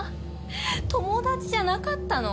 友達じゃなかったの？